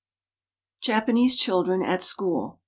JAPANESE CHILDREN AT SCHOOL.